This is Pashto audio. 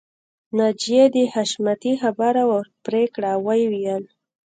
ناجیې د حشمتي خبره ورپرې کړه او ويې ويل